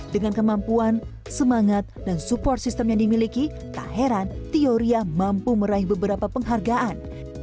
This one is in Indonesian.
dengan kemampuan semangat dan support sistem yang dimiliki tak heran theoria mampu meraih beberapa penghargaan